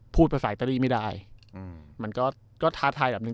พูดประสาทตอรี่ไม่ได้อืมมันก็ก็ท้าทายแบบหนึ่ง